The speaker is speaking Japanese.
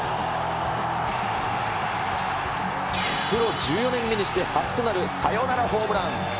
プロ１４年目にして初となるサヨナラホームラン。